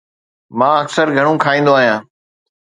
مان اڪثر گهڻو کائيندو آهيان